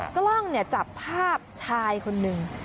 กล้องเนี่ยจับภาพชายคนหนึ่ง